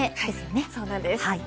はいそうなんです。